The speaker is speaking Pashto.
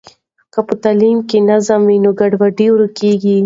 که په تعلیم کې نظم وي نو ګډوډي ورکیږي.